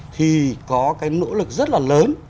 thì có cái nỗ lực rất là lớn